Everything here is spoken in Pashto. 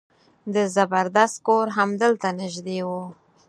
د زبردست کور همدلته نژدې و.